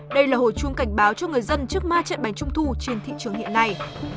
đây là hồi chuông cảnh báo cho người dân trước ma trận bánh trung thu trên thị trường hiện nay